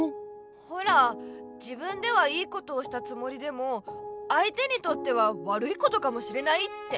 ほら自分では良いことをしたつもりでも相手にとっては悪いことかもしれないって。